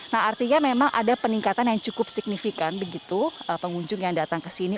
nah artinya memang ada peningkatan yang cukup signifikan begitu pengunjung yang datang ke sini